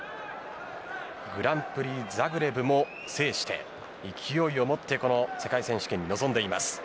グランプリ・ザグレブも制して勢いをもって世界選手権に臨んでいます。